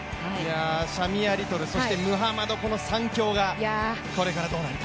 シャミア・リトル、そしてムハマド、この３強がこれからどうなるか。